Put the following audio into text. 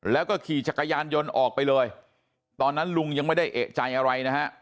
แล้วก็ขี่จักรยานยนต์ออกไปเลยตอนนั้นลุงยังไม่ได้เอกใจอะไรนะฮะ